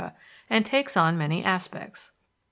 and takes on many aspects.